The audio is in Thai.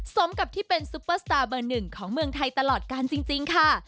สมกับที่เป็นซุปเปอร์สตาร์เบอร์หนึ่งของเมืองไทยตลอดการจริงค่ะ